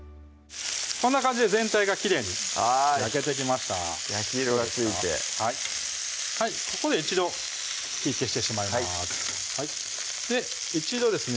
こんな感じで全体がきれいに焼けてきました焼き色がついてここで一度火消してしまいます一度ですね